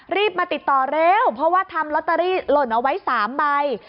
รีบมาติดต่อเร็วเพราะว่าทำลอตเตอรี่หล่นเอาไว้๓ใบ